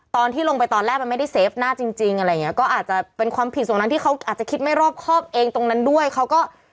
ตอนที่ลงไปตอนแรกมันไม่ได้เซฟหน้าจริงจริงอะไรอย่างเงี้ยก็อาจจะเป็นความผิดตรงนั้นที่เขาอาจจะคิดไม่รอบครอบเองตรงนั้นด้วยเขาก็